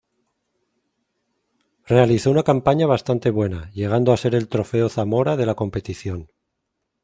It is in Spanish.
Realizó una campaña bastante buena, llegando a ser el Trofeo Zamora de la competición.